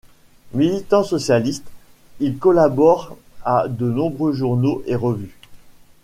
Militant socialiste, il collabore à de nombreux journaux et revues.